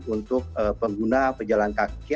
untuk pengguna pejalan kaki